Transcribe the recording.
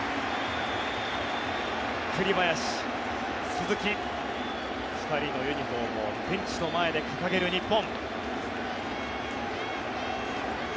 栗林、鈴木、２人のユニホームをベンチの前で掲げる日本。